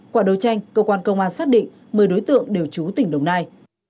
quả đối tranh cơ quan công an xác định một mươi đối tượng đều trú tỉnh đồng nai